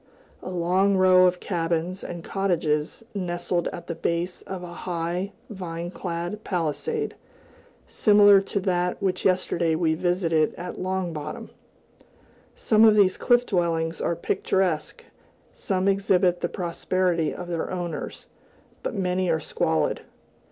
a long row of cabins and cottages nestled at the base of a high, vine clad palisade, similar to that which yesterday we visited at Long Bottom. Some of these cliff dwellings are picturesque, some exhibit the prosperity of their owners, but many are squalid.